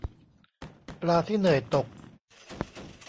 ปลาที่เหนื่อยตก